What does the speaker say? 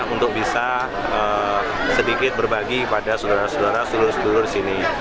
untuk bisa sedikit berbagi kepada saudara saudara seluruh sini